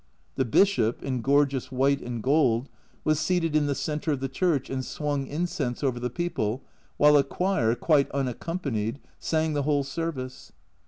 The Bishop, in gorgeous white and gold, was seated in the centre of the church, and swung incense over the people, while a choir, quite unaccompanied, sang the whole service.